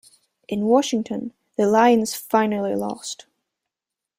In Washington, the Lions finally lost.